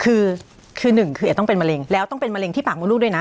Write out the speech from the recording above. คือคือหนึ่งคืออาจจะต้องเป็นมะเร็งแล้วต้องเป็นมะเร็งที่ปากมดลูกด้วยนะ